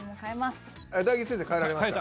大吉先生変えられました？